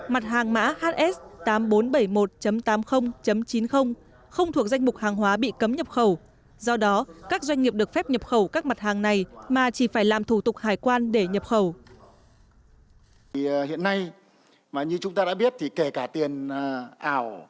mặt hàng mã hs tám nghìn bốn trăm bảy mươi một tám mươi chín mươi không thuộc danh mục hàng hóa bị cấm nhập khẩu